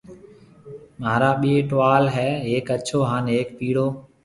مهارا ٻي ٽوال هيَ هڪ اڇهو هانَ هڪ پِيڙو